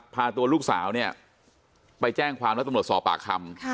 พาตัวลูกสาวเนี่ยไปแจ้งความแล้วตำรวจสอบปากคำ